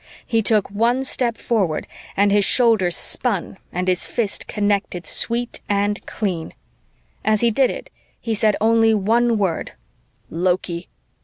He took one step forward and his shoulders spun and his fist connected sweet and clean. As he did it, he said only one word, "Loki!"